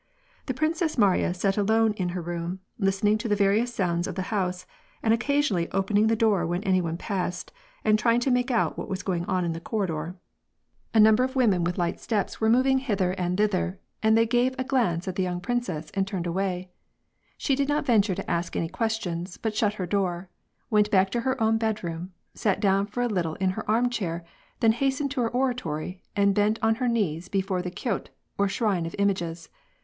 The Princess Marya sat alone in her room listening to the various sounds in the house, and occasionally opening the door when any one passed, and trying to make out what was going on in the corridor. A number of women with light steps were WAR AND PEACE. 37 moving hither and thither, and they gave a glance at the joung princess and turned away. She did not venture to ask any questions, but shut her door, went back to her own bed room, sat down for a little in her arm chair, then hastened to her oratoiy, and bent on her knees before the kiot or shrine of images.